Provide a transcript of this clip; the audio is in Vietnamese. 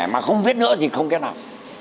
mà không viết nữa thì không cái nào